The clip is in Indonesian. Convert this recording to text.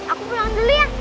aku pulang dulu ya